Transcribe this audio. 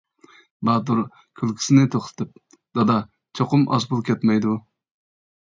باتۇر كۈلكىسىنى توختىتىپ: دادا، چوقۇم ئاز پۇل كەتمەيدۇ.